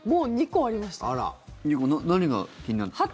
２個、何が気になる？